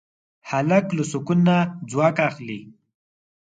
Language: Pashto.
هلک له سکون نه ځواک اخلي.